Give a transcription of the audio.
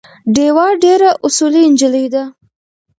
ډیوه ډېره اصولي نجلی ده